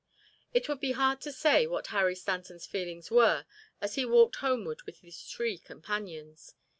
It would be hard to say what Harry Stanton's feelings were as he walked homeward with his three companions.